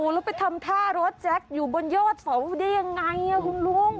เราไปทำท่อรถแจ็คอยู่บนยอดฝาวนใช่มะกินอย่าไงทุนลุ้ม